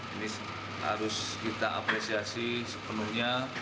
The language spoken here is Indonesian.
ini harus kita apresiasi sepenuhnya